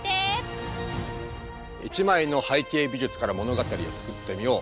１枚の背景美術から物語を作ってみよう！